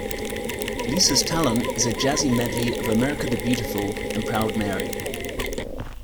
Lisa's talent is a jazzy medley of "America the Beautiful" and "Proud Mary".